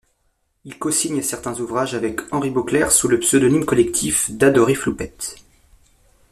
Il cosigne certains ouvrages avec Henri Beauclair sous le pseudonyme collectif d’Adoré Floupette.